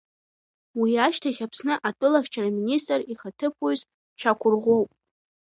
Уи ашьҭахь Аԥсны атәылахьчара аминистр ихаҭыԥуаҩыс дшьақәырӷәӷәоуп.